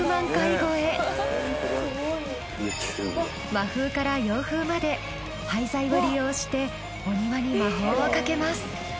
和風から洋風まで廃材を利用してお庭に魔法をかけます。